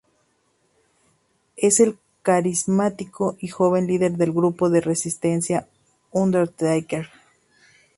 Es el carismático y joven líder del grupo de resistencia "Undertaker".